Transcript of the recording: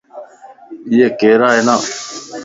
ايي ڪيران؟